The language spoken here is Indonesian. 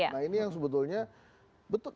nah ini yang sebetulnya bentuk